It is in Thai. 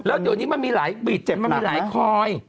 แล้วเดี๋ยวนี้มันมีหลายบีเจ็บมันมีหลายคอย